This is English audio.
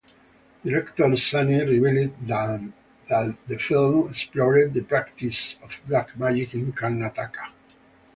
Director Suni revealed that the film explored the practice of black magic in Karnataka.